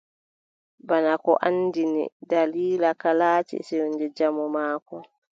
Bana ko anndini, daliila ka, laati sewnde jamu maako.